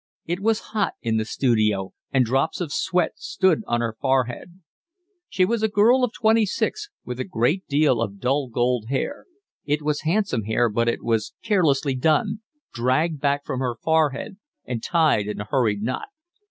It was hot in the studio, and drops of sweat stood on her forehead. She was a girl of twenty six, with a great deal of dull gold hair; it was handsome hair, but it was carelessly done, dragged back from her forehead and tied in a hurried knot.